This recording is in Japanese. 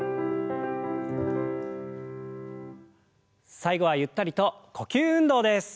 最後はゆったりと呼吸運動です。